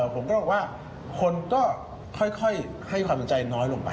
ผมก็บอกว่าคนก็ค่อยให้ความสนใจน้อยลงไป